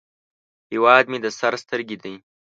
هیواد مې د سر سترګې دي